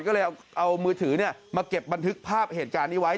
ก็เลยเอามือถือมาเก็บบันทึกภาพเหตุการณ์นี้ไว้